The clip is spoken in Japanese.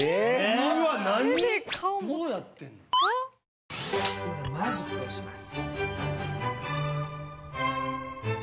マジックをします。